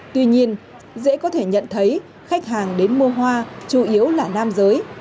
tuy nhiên dễ có thể nhận thấy khách hàng đến mua hoa chủ yếu là nam giới